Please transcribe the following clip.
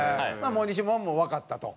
もう西森も「わかった」と。